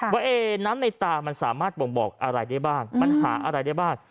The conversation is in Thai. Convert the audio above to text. ว่าน้ำในตามันสามารถบ่งบอกอะไรได้บ้างมันหาอะไรได้บ้าง